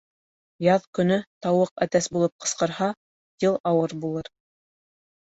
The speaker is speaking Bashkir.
Яҙ көнө тауыҡ әтәс булып ҡысҡырһа, йыл ауыр булыр.